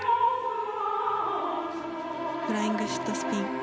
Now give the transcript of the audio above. フライングシットスピン。